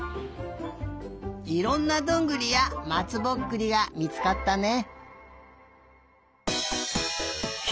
いろんなどんぐりやまつぼっくりがみつかったね。